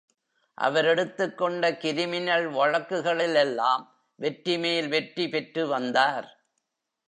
அவர் எடுத்துக் கொண்ட கிரிமினல் வழக்குகளில் எல்லாம் வெற்றிமேல் வெற்றி பெற்று வந்தார்.